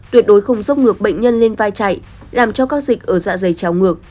tuyệt đối không dốc ngược bệnh nhân lên vai chạy làm cho các dịch ở dạ dày trào ngược